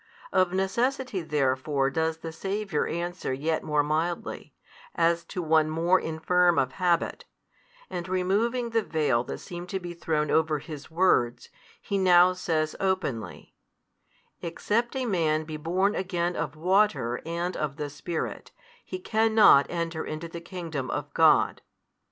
Of necessity therefore does the Saviour answer yet more mildly, as to one more infirm of habit, and removing the veil that seemed to be thrown over His Words, He now says openly, Except a man be born again of water and of the Spirit, he cannot enter into the Kingdom of God.